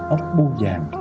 ốc bu vàng